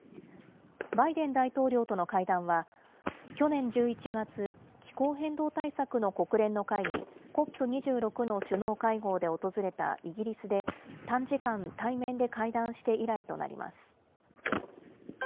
バイデン大統領との会談は、去年１１月、気候変動対策の国連の会議、ＣＯＰ２６の首脳会合で訪れたイギリスで短時間、対面で会談して以来となります。